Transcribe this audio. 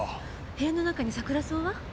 部屋の中にサクラソウは？